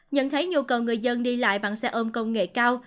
nhận thấy nhu cầu người dân đi lại bằng xe ôm công nghệ cao